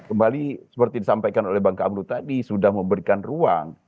kembali seperti disampaikan oleh bang kamlu tadi sudah memberikan ruang